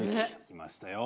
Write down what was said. きましたよ。